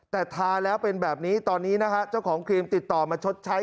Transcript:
แต่ทาแล้วเป็นแบบนี้ตอนนี้นะฮะเจ้าของครีมติดต่อมาชดใช้